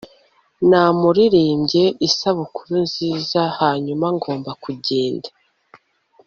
namuririmbye isabukuru nziza, hanyuma ngomba kugenda